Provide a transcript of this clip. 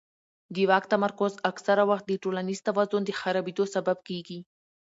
د واک تمرکز اکثره وخت د ټولنیز توازن د خرابېدو سبب کېږي